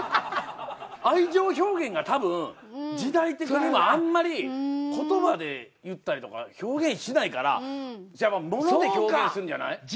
愛情表現が多分時代的にはあんまり言葉で言ったりとか表現しないから物で表現するんじゃない？